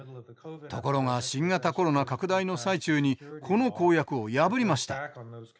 ところが新型コロナ拡大の最中にこの公約を破りました。